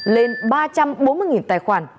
lên ba trăm bốn mươi tài khoản